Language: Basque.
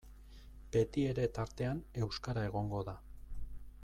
Betiere tartean euskara egongo da.